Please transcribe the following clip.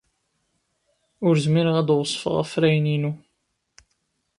Ur zmireɣ ad d-weṣfeɣ afrayen-inu.